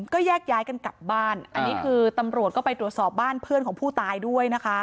ก็แยกย้ายกันกลับบ้านอันนี้คือตำรวจก็ไปตรวจสอบบ้านเพื่อนของผู้ตายด้วยนะคะ